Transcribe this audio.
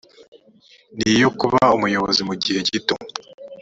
ni iyo kuba umuyobozi mu gihe gito